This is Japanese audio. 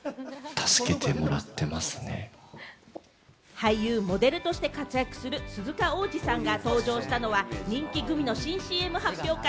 俳優・モデルとして活躍する鈴鹿央士さんが登場したのは人気グミの新ＣＭ発表会。